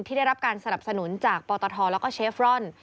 ที่ได้รับการสนับสนุนจากปตทและเชฟรอนด์